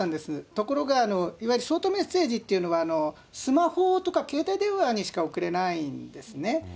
ところが、いわゆるショートメッセージというのは、スマホとか携帯電話にしか送れないんですね。